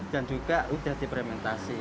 dan juga sudah diprementasi